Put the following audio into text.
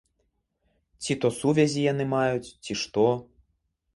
Ці то сувязі яны маюць, ці што.